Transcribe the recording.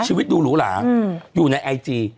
ชีวิตดูหรูหราอยู่ในไอจี